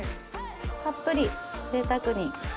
たっぷりぜいたくに。